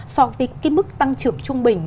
so với cái mức tăng trưởng trung bình